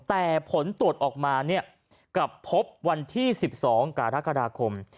แต่ผลตรวจออกมากลับพบวันที่๑๒กรกฎาคม